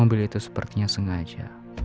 mobil itu sepertinya sengaja